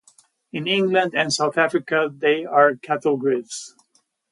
In England and South Africa, they are cattle grids.